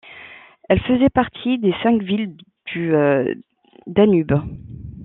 Elle faisait partie des Cinq villes du Danube.